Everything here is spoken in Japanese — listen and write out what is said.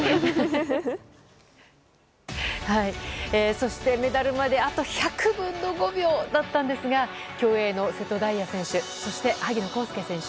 そして、メダルまであと１００分の５秒だったんですが競泳の瀬戸大也選手そして萩野公介選手。